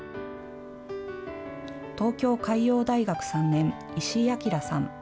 東京海洋大学３年、石井暁さん。